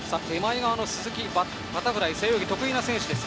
鈴木はバタフライ、背泳ぎが得意な選手です。